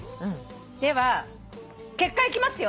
では結果いきますよ。